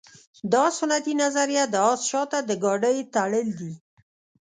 دا سنتي نظریه د اس شاته د ګاډۍ تړل دي.